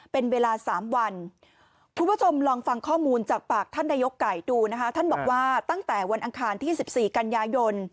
เป็นเวลา๓วันคุณผู้ชมลองฟังข้อมูลจากปากท่านนายกไก่ดูนะคะท่านบอกว่าตั้งแต่วันอังคารที่๑๔กันยายน